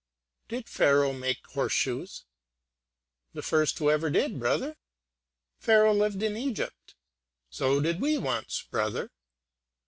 "Did Pharaoh make horse shoes?" "The first who ever did, brother." "Pharaoh lived in Egypt." "So did we once, brother."